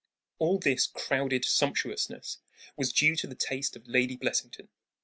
All this "crowded sumptuousness" was due to the taste of Lady Blessington.